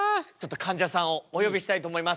かんじゃさんをお呼びしたいと思います。